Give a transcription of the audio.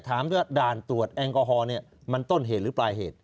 ถามว่าด่านตรวจแอลกอฮอลมันต้นเหตุหรือปลายเหตุ